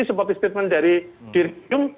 seperti statement dari dirium